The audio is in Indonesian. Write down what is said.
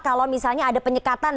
kalau misalnya ada penyekatan